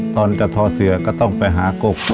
ตอนกับธอเสือก็ต้องไปหากกก